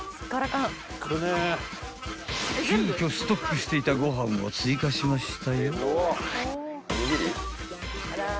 ［急きょストックしていたご飯を追加しましたよ］